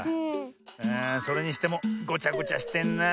あそれにしてもごちゃごちゃしてんなあ。